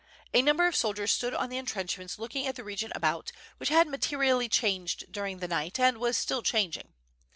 A number of soldiers stood on the entrenchments looking at the region about, which had materially changed during the night and was still changing.